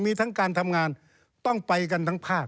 มีทั้งการทำงานต้องไปกันทั้งภาค